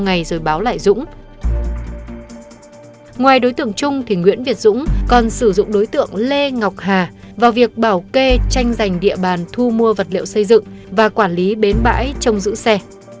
ngoài đối tượng trung thì nguyễn việt dũng còn sử dụng đối tượng lê ngọc hà vào việc bảo kê tranh giành địa bàn thu mua vật liệu xây dựng và quản lý bến bãi trong giữ xe